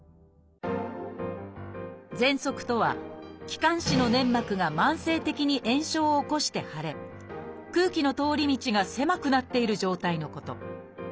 「ぜんそく」とは気管支の粘膜が慢性的に炎症を起こして腫れ空気の通り道が狭くなっている状態のこと。